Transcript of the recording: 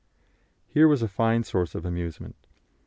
Here was a fine source of amusement.